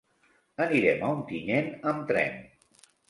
Anirem a Ontinyent amb tren.